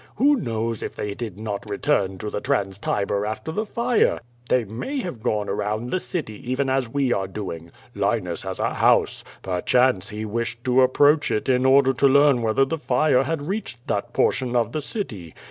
Who knows if they did not re turn to the Trans TiW after the fire? They may have gone t 234 QUO VADI8. around the city even as we are doing. Linus has a house. Perchance he wished to approach it in order to learn whether the fire had reached that portion of the city.